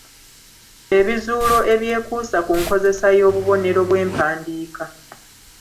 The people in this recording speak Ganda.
Ebizuulo ebyekuusa ku nkozesa y’obubonero bw’empandiika.